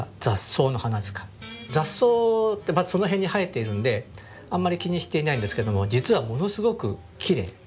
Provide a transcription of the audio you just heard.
雑草ってその辺に生えているんであんまり気にしていないんですけども実はものすごくきれい。